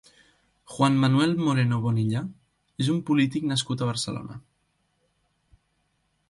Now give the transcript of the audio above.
Juan Manuel Moreno Bonilla és un polític nascut a Barcelona.